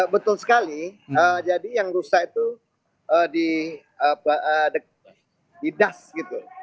betul sekali jadi yang rusak itu di das gitu